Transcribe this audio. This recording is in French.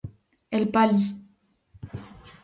Elle pâlit.